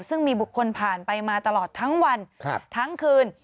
ซึ่งมีบุคคลผ่านไปมาตลอดทั้งวันทั้งคืน